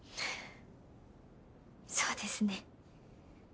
そうですね。